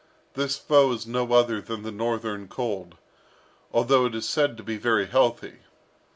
This foe is no other than the Northern cold, although it is said to be very healthy.